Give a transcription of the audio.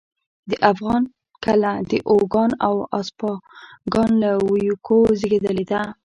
د افغان کله د اوگان او اسپاگان له ويوکو زېږېدلې ده